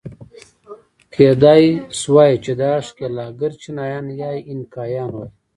کېدای شوای چې دا ښکېلاکګر چینایان یا اینکایان وای.